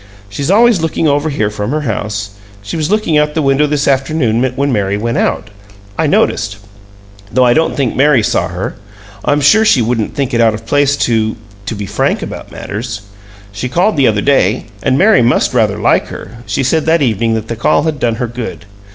She's always looking over here from her house; she was looking out the window this afternoon when Mary went out, I noticed though I don't think Mary saw her. I'm sure she wouldn't think it out of place to to be frank about matters. She called the other day, and Mary must rather like her she said that evening that the call had done her good.